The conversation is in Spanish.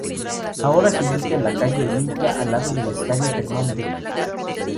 Ahora se ubica en la calle Olimpia, al lado del Estadio Germán Becker